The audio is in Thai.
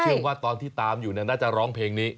ว่าตอนที่ตามอยู่น่าจะร้องเพลงนี้